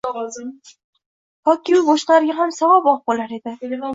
Toki bu boshqalarga ham saboq boʻlar edi.